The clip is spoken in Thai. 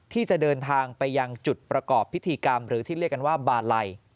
ที่จะเดินทางไปยังจุดประกอบพิธีกรรมหรือที่เรียกกันว่าบาลัย